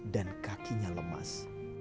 dan kakinya lemas